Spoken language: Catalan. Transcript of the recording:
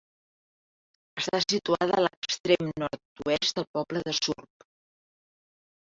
Està situada a l'extrem nord-oest del poble de Surp.